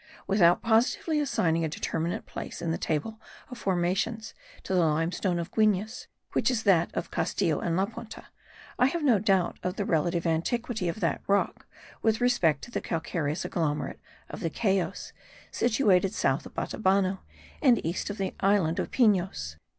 Without positively assigning a determinate place in the table of formations to the limestone of Guines, which is that of the Castillo and La Punta, I have no doubt of the relative antiquity of that rock with respect to the calcareous agglomerate of the Cayos, situated south of Batabano, and east of the island of Pinos.